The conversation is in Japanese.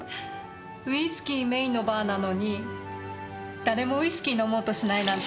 ウイスキーメーンのバーなのに誰もウイスキー飲もうとしないなんて。